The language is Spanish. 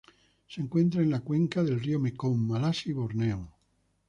Se encuentra en la cuenca del río Mekong, Malasia y Borneo.